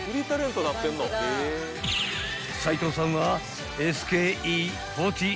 ［斉藤さんは］